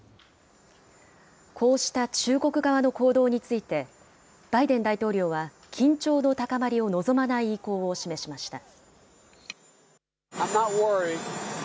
こうした中国側の行動について、バイデン大統領は緊張の高まりを望まない意向を示しました。